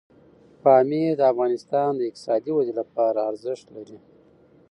پامیر د افغانستان د اقتصادي ودې لپاره ارزښت لري.